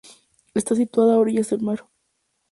Está situada a orillas del mar.